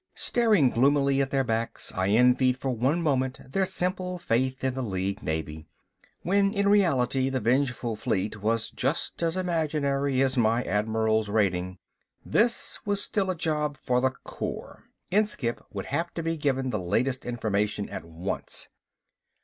Staring gloomily at their backs I envied for one moment their simple faith in the League Navy. When in reality the vengeful fleet was just as imaginary as my admiral's rating. This was still a job for the Corps. Inskipp would have to be given the latest information at once.